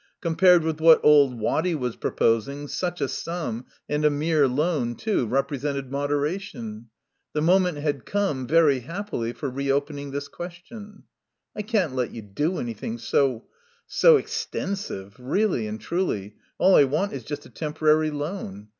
Compared with what old Waddy was proposing, such a sum, and a mere loan too, represented moderation. The moment had come, very happily, for reopening this question. "I can't let you do anything so so extensive. Really and truly, all I want is just a temporary loan.